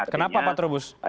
kenapa pak terubus